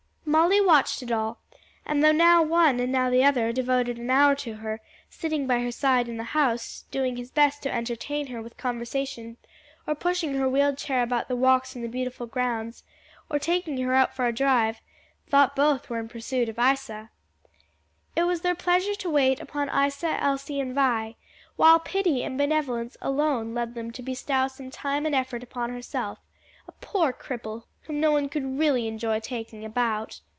Molly watched it all, and though now one and now the other devoted an hour to her, sitting by her side in the house doing his best to entertain her with conversation, or pushing her wheeled chair about the walks in the beautiful grounds, or taking her out for a drive, thought both were in pursuit of Isa. It was their pleasure to wait upon Isa, Elsie and Vi, while pity and benevolence alone led them to bestow some time and effort upon herself a poor cripple whom no one could really enjoy taking about.